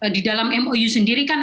di dalam mou sendiri kan